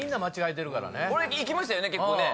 俺いきましたよね結構ね。